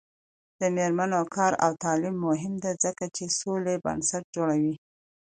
د میرمنو کار او تعلیم مهم دی ځکه چې سولې بنسټ جوړوي.